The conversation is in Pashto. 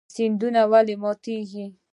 سیندونه ولې ماتیږي؟